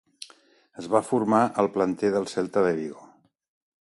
Es va formar al planter del Celta de Vigo.